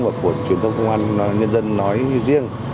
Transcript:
và của truyền thông công an nhân dân nói riêng